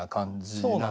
そうなんですよ。